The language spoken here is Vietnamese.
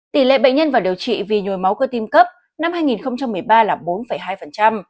tỷ lệ bệnh nhân vào điều trị vì nhồi máu cơ tim cấp năm hai nghìn một mươi ba là bốn hai